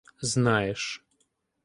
- Знаєш.